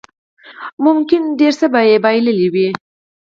ممکن ډېر څه به يې بايللي وو.